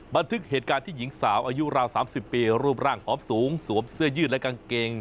บันทึกเหตุการณ์ที่หญิงสาวอายุราว๓๐ปีรูปร่างหอมสูงสวมเสื้อยืดและกางเกง